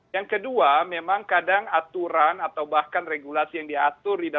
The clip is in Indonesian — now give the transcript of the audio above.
yang kedua memang kadang aturan atau bahkan regulasi yang diatur